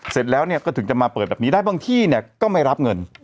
เสร็จแล้วก็ถึงจะมาเปิดแบบนี้ได้บางที่เนี่ยก็ไม่รับเงิน